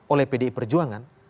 oleh pdi perjuangan